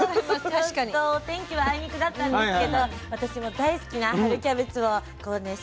ちょっとお天気はあいにくだったんですけど私も大好きな春キャベツをこうね調べてきました。